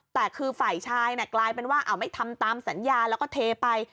แต่คือฝ่ายชายกลายเป็นว่าไม่ทำตามสัญญาแล้วก็เทไป